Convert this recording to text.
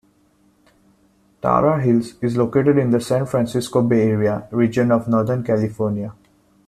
Tara Hills is located in the San Francisco Bay Area region of Northern California.